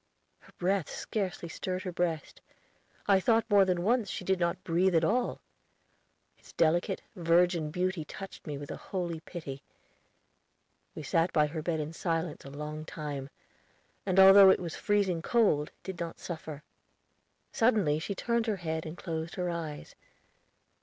Her breath scarcely stirred her breast. I thought more than once she did not breathe at all. Its delicate, virgin beauty touched me with a holy pity. We sat by her bed in silence a long time, and although it was freezing cold, did not suffer. Suddenly she turned her head and closed her eyes.